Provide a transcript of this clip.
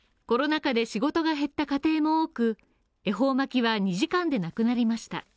コロナ禍で仕事が減った家庭も多く恵方巻きは２時間でなくなりました。